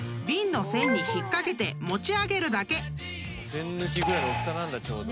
栓抜きぐらいの大きさなんだちょうど。